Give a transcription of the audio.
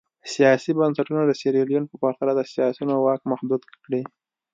سیاسي بنسټونه د سیریلیون په پرتله د سیاسیونو واک محدود کړي.